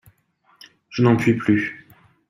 Je n'en puis plus.